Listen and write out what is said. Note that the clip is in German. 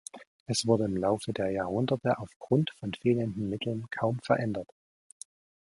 Es wurde im Laufe der Jahrhunderte auf Grund von fehlenden Mitteln kaum verändert.